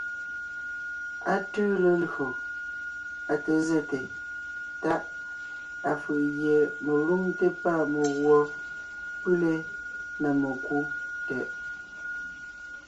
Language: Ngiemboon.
Á tʉʉ lelÿò, á té zɛ́te Táʼ, afʉ̀ʼ gie melúmte pâ meguɔ pʉlé (na mekú) tɛʼ.